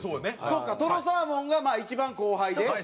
そうかとろサーモンがまあ一番後輩で？